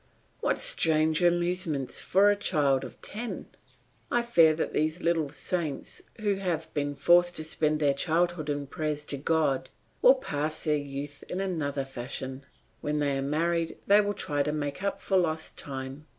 What strange amusements for a child of ten! I fear that these little saints who have been forced to spend their childhood in prayers to God will pass their youth in another fashion; when they are married they will try to make up for lost time.